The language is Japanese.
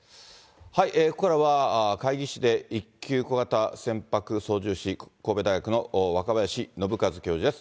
ここからは、海技士で１級小型船舶操縦士、神戸大学のわかばやしのぶかず教授です。